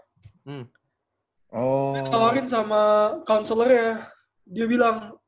gue ditawarin sama counselor nya dia bilang